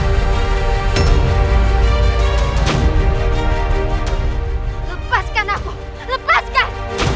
lepaskan aku lepaskan